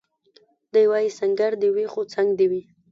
دی وايي سنګر دي وي خو څنګ دي وي